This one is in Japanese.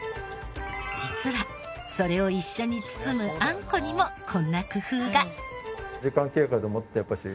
実はそれを一緒に包むあんこにもこんな工夫が。